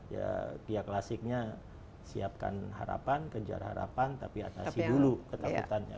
ya via klasiknya siapkan harapan kejar harapan tapi atasi dulu ketakutannya